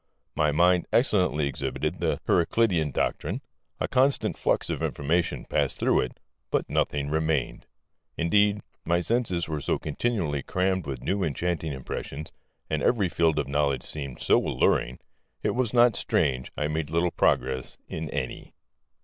My mind excellently exhibited the Heraclitean doctrine: a constant flux of information passed through it, but nothing remained. Indeed, my senses were so continually crammed with new enchanting impressions, and every field of knowledge seemed so alluring, it was not strange I made little progress in any.